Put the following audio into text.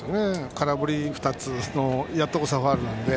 空振り２つやっとこさファウルなので。